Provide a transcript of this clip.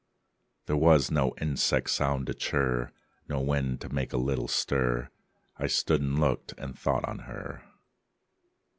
There was no insect sound to chirr; No wind to make a little stir: I stood and looked and thought on her.